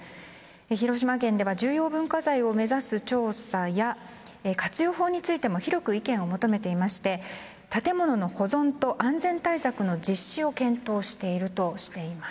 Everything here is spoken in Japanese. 広島県では重要文化財を目指す調査や活用法についても広く意見を求めていて建物の保存と安全対策の実施を検討しているとしています。